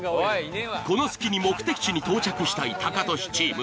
この隙に目的地に到着したいタカトシチーム。